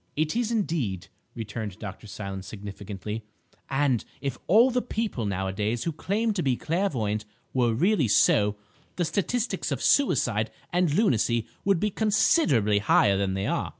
"It is indeed," returned John Silence significantly, "and if all the people nowadays who claim to be clairvoyant were really so, the statistics of suicide and lunacy would be considerably higher than they are.